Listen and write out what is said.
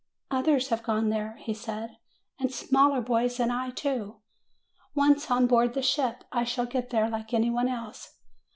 "Others have gone there," he said; "and smaller boys than I, too. Once on board the ship, I shall get there like anybody else.